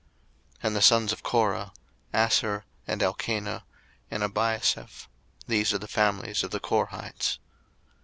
02:006:024 And the sons of Korah; Assir, and Elkanah, and Abiasaph: these are the families of the Korhites.